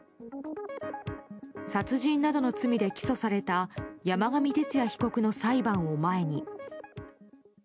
殺人などの罪で起訴された山上徹也被告の裁判を前に。